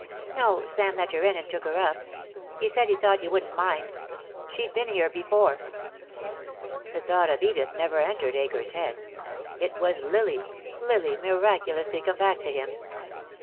"No. Sam let her in and took her up. He said he thought you wouldn't mind. She'd been here before." The thought of Edith never entered Akers' head. It was Lily, Lily miraculously come back to him.